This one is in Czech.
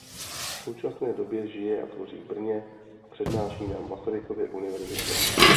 V současné době žije a tvoří v Brně a přednáší na Masarykově univerzitě.